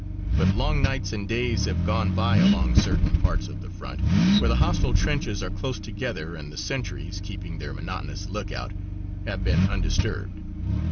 But long nights and days have gone by along certain parts of the front where the hostile trenches are close together, and the sentries, keeping their monotonous lookout, have been undisturbed.